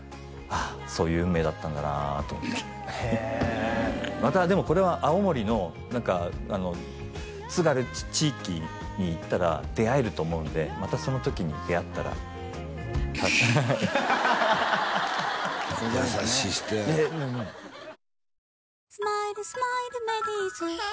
あそういう運命だったんだなと思ってへえまたでもこれは青森の何か津軽地域に行ったら出会えると思うんでまたその時に出会ったら優しい人や「スマイルスマイルメリーズ」